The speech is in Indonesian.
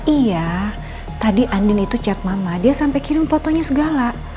iya tadi andin itu chat mama dia sampai kirim fotonya segala